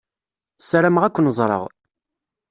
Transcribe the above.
Ssarameɣ ad ken-ẓreɣ.